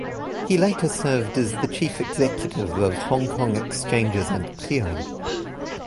He later served as the chief executive of Hong Kong Exchanges and Clearing.